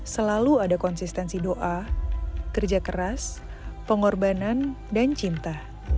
selalu ada konsistensi doa kerja keras pengorbanan dan cinta